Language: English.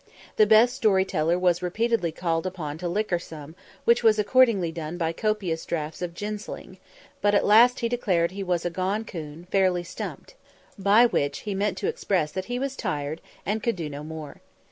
The best story teller was repeatedly called upon to "liquor some," which was accordingly done by copious draughts of "gin sling," but at last he declared he was a "gone 'coon, fairly stumped," by which he meant to express that he was tired and could do no more.